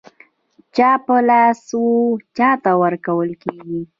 چا په لاس و چاته ورکول کېږي.